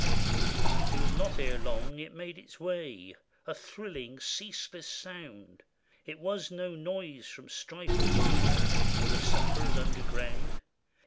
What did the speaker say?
It was not long ere it made its way, — A thrilling, ceaseless sound: It was no noise from the strife afar, Or the sappers under ground.